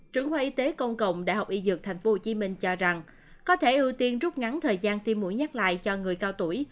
trưởng khoa y tế công cộng đại học y dược tp hcm cho rằng có thể ưu tiên rút ngắn thời gian tiêm mũi nhắc lại cho người cao tuổi